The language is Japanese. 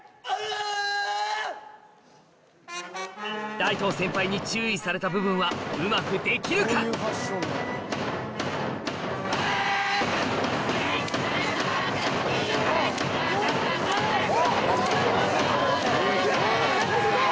大東先輩に注意された部分はうまくできるか？あい！